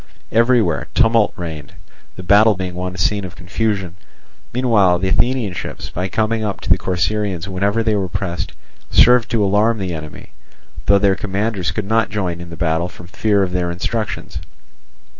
Everywhere tumult reigned, the battle being one scene of confusion; meanwhile the Athenian ships, by coming up to the Corcyraeans whenever they were pressed, served to alarm the enemy, though their commanders could not join in the battle from fear of their instructions.